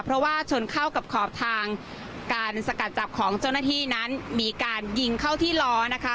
เพราะว่าชนเข้ากับขอบทางการสกัดจับของเจ้าหน้าที่นั้นมีการยิงเข้าที่ล้อนะคะ